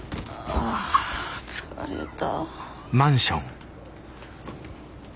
あ疲れた。